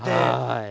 はい。